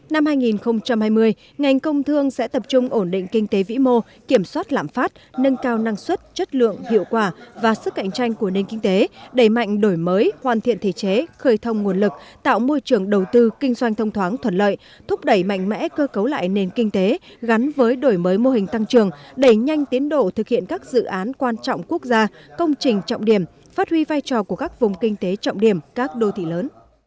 năm hai nghìn hai mươi ngành công thương sẽ tập trung ổn định kinh tế vĩ mô kiểm soát lãm phát nâng cao năng suất chất lượng hiệu quả và sức cạnh tranh của nền kinh tế đẩy mạnh đổi mới hoàn thiện thể chế khởi thông nguồn lực tạo môi trường đầu tư kinh doanh thông thoáng thuận lợi thúc đẩy mạnh mẽ cơ cấu lại nền kinh tế gắn với đổi mới mô hình tăng trường đẩy nhanh tiến độ thực hiện các dự án quan trọng quốc gia công trình trọng điểm phát huy vai trò của các vùng kinh tế trọng điểm các đô thị lớ